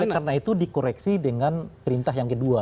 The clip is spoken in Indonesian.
karena itu dikoreksi dengan perintah yang kedua